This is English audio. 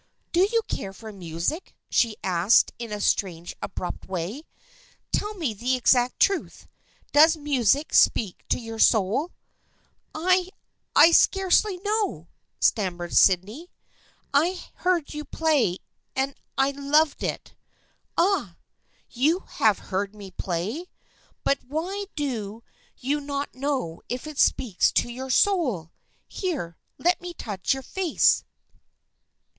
" Do you care for music ?" she asked in a strange abrupt way. " Tell me the exact truth. Does music speak to your soul ?"" I — I scarcely know," stammered Sydney. " I have heard you play and I loved it." " Ah ! You have heard me play ? But why do THE FRIENDSHIP OF ANNE 175 you not know if it speaks to your soul ? Here, let me touch your face."